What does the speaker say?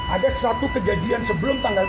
ada satu kejadian sebelum tanggal